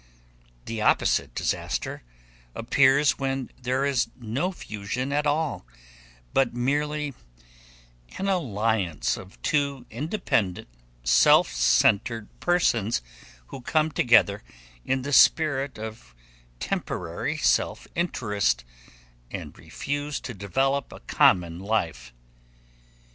The opposite disaster appears when there is no fusion at all but merely an alliance of two independent, self centered persons who come together in the spirit of temporary self interest and refuse to develop a common life.